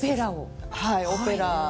オペラを！